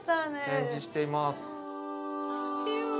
展示しています。